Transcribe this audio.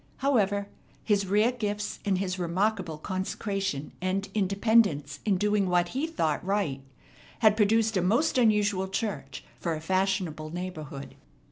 However, his rare gifts, and his remarkable consecration and independence in doing what he thought right, had produced a most unusual church for a fashionable neighborhood.